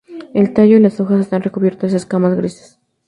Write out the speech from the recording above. El tallo y las hojas están recubiertas de escamas grises.